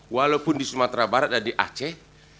walaupun di sumatera barat dan di aceh